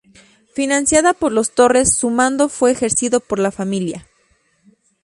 Financiada por los Torres, su mando fue ejercido por la familia.